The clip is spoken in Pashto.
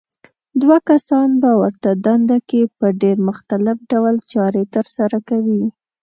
دوه کسان په ورته دنده کې په ډېر مختلف ډول چارې ترسره کوي.